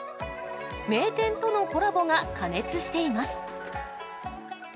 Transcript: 名店とのコラボが過熱しています。